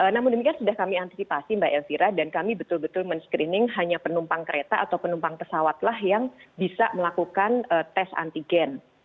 namun demikian sudah kami antisipasi mbak elvira dan kami betul betul men screening hanya penumpang kereta atau penumpang pesawatlah yang bisa melakukan tes antigen